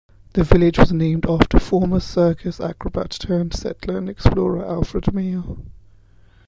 The village was named after former circus acrobat turned settler and explorer Alfred Mayo.